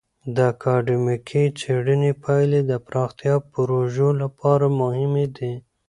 د اکادمیکې څیړنې پایلې د پراختیایي پروژو لپاره مهمې دي.